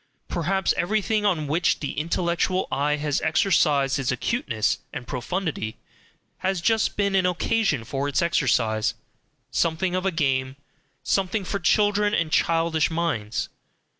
Perhaps everything on which the intellectual eye has exercised its acuteness and profundity has just been an occasion for its exercise, something of a game, something for children and childish minds.